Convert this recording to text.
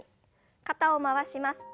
肩を回します。